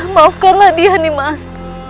maafkanlah dia nih mas